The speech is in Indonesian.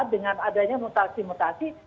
dengan adanya mutasi mutasi